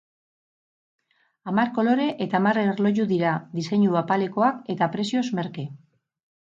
Hamar kolore eta hamar erloju dira, diseinu apalekoak eta prezioz merke.